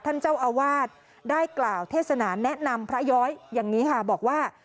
ท่านเจ้าอาวาสได้กล่าวเทศนาแนะนำพระย้อยอย่างนี้ค่ะบอกว่า